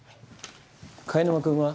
貝沼君は？